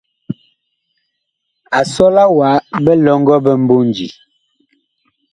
A sɔla wa bilɔŋgɔ mboonji.